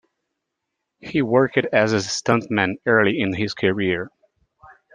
He worked as a stuntman early in his career.